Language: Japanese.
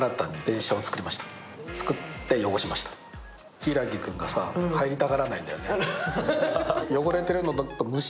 柊木君がさ入りたがらないんだよね。